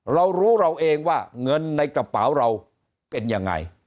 เรารู้เราเองว่าเงินในกระเป๋าเราเป็นยังไง